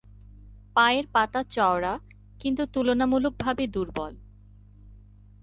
পায়ের পাতা চওড়া কিন্তু তুলনামূলকভাবে দুর্বল।